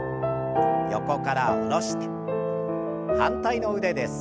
横から下ろして反対の腕です。